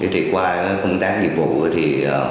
thì qua công tác dịch vụ thì